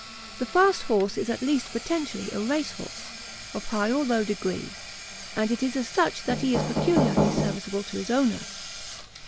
The fast horse is at least potentially a race horse, of high or low degree; and it is as such that he is peculiarly serviceable to his owner.